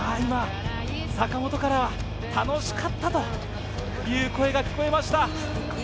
今、阪本からは、楽しかったという声が聞こえました。